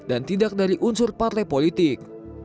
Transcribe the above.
dan tidak dari unsur patre politik